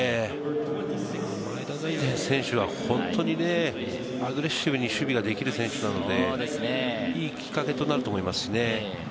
前田大然選手は本当にアグレッシブに守備ができる選手なのでね、いいきっかけとなると思いますね。